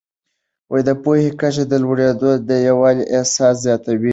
د پوهې کچه لوړېدل د یووالي احساس زیاتوي.